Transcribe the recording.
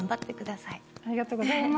ありがとうございます。